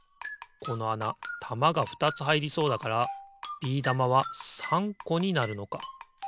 このあなたまがふたつはいりそうだからビー玉は３こになるのか。